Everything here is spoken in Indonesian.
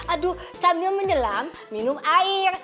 aduh sambil menyelam minum air